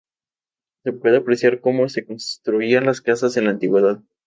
Se puede apreciar cómo se construían las casas en la antigüedad.